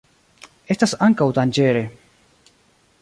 Estas ankaŭ danĝere.